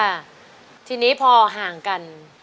ค่ะทีนี้พอห่างกัน